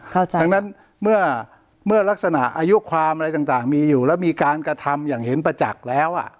ดังนั้นเมื่อลักษณะอายุความอะไรต่างมีอยู่แล้วมีการกระทำอย่างเห็นประจักษ์แล้ว